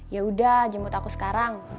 yaudah jemput aku sekarang